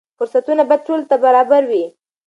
فرصتونه باید ټولو ته برابر وي.